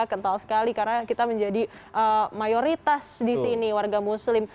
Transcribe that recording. kental sekali karena kita menjadi mayoritas di sini warga muslim